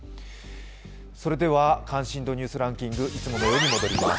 それでは関心度ニュースランキング、いつものように戻ります。